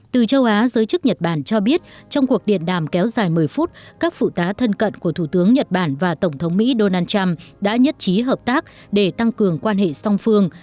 từ châu á giới chức nhật bản cho biết trong cuộc điện đàm kéo dài một mươi phút các phụ tá thân cận của thủ tướng nhật bản và tổng thống mỹ donald trump đã nhất trí hợp tác để tăng cường quan hệ song phương